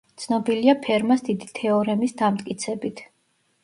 ცნობილია ფერმას დიდი თეორემის დამტკიცებით.